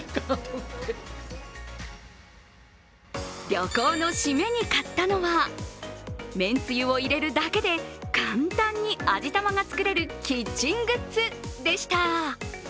旅行のシメに買ったのはめんつゆを入れるだけで簡単に味玉が作れるキッチングッズでした。